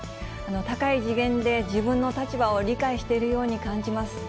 高い次元で自分の立場を理解しているように感じます。